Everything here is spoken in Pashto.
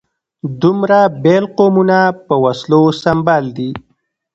دومره بېل قومونه په وسلو سمبال دي.